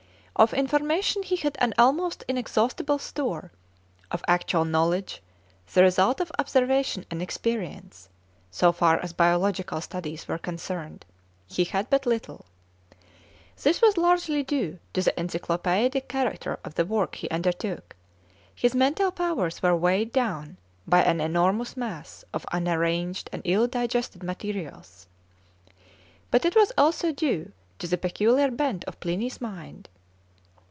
Of information he had an almost inexhaustible store; of actual knowledge, the result of observation and experience, so far as biological studies were concerned, he had but little. This was largely due to the encyclopædic character of the work he undertook; his mental powers were weighed down by an enormous mass of unarranged and ill digested materials. But it was due also to the peculiar bent of Pliny's mind.